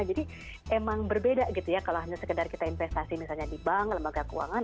jadi emang berbeda gitu ya kalau hanya sekedar kita investasi misalnya di bank lembaga keuangan